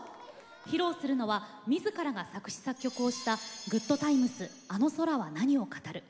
披露するのはみずからが作詞・作曲をした「ＧｏｏｄＴｉｍｅｓあの空は何を語る」